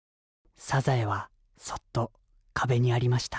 栄螺はそっと壁にありました